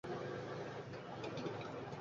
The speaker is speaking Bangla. আমি আগামীকাল ফিরে যাচ্ছি, টিনা।